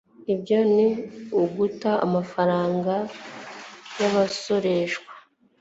Ibyo ni uguta amafaranga yabasoreshwa.